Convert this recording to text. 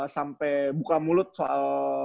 sampe buka mulut soal